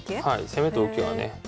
攻めと受けはね。